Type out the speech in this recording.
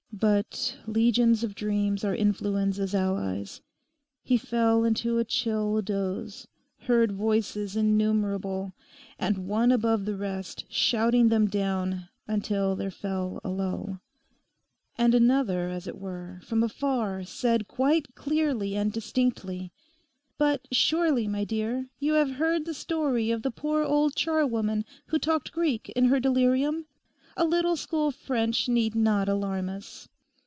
But legions of dreams are Influenza's allies. He fell into a chill doze, heard voices innumerable, and one above the rest, shouting them down, until there fell a lull. And another, as it were, from afar said quite clearly and distinctly, 'But surely, my dear, you have heard the story of the poor old charwoman who talked Greek in her delirium? A little school French need not alarm us.